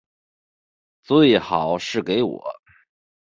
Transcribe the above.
最好是给我